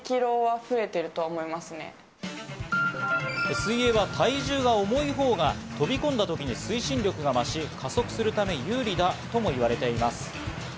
水泳は体重が重い方が飛び込んだ時の推進力が増し、加速するために有利だともいわれています。